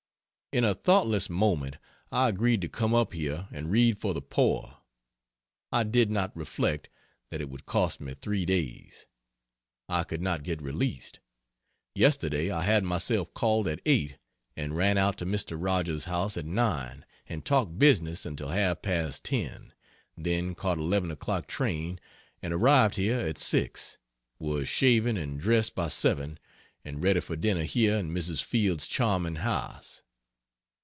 In a thoughtless moment I agreed to come up here and read for the poor. I did not reflect that it would cost me three days. I could not get released. Yesterday I had myself called at 8 and ran out to Mr. Rogers's house at 9, and talked business until half past 10; then caught 11 o'clock train and arrived here at 6; was shaven and dressed by 7 and ready for dinner here in Mrs. Field's charming house.